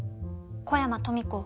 小山富子。